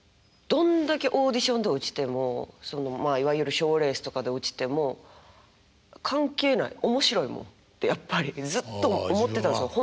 どんだけオーディションで落ちてもいわゆるショーレースとかで落ちても「関係ない面白いもん」ってやっぱりずっと思ってたんですよ